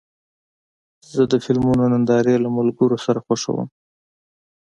زه د فلمونو نندارې له ملګرو سره خوښوم.